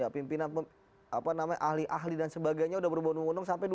pimpinan ahli ahli dan sebagainya sudah berbondong bondong sampai dua sembilan puluh dua